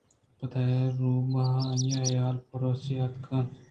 بیدے روباہ ءَ آئی ءِ حال پُرسی ءَاتکگ اِتنت